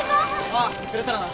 ああ釣れたらな。